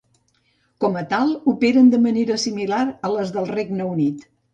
Com a tal, operen de manera similar a les del Regne Unit.